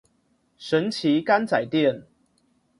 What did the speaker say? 神奇柑仔店